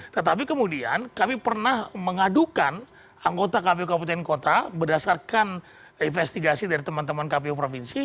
tetapi kemudian kami pernah mengadukan anggota kpu kabupaten kota berdasarkan investigasi dari teman teman kpu provinsi